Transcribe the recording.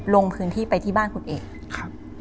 ลงพื้นที่ไปที่บ้านคุณเอกครับ